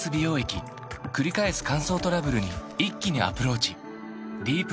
くり返す乾燥トラブルに一気にアプローチ